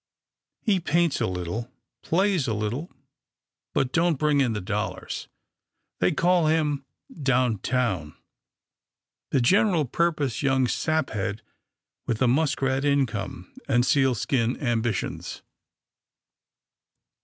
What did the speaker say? He paints a little, plays a little, but don't bring in the dollars. They call him, down town, ' The general purpose young saphead, with the muskrat income, and sealskin ambitions.'